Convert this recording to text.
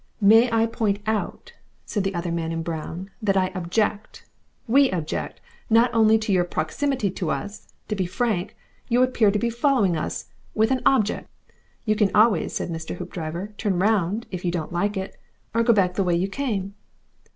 "May I point out," said the other man in brown, "that I object we object not only to your proximity to us. To be frank you appear to be following us with an object." "You can always," said Mr. Hoopdriver, "turn round if you don't like it, and go back the way you came."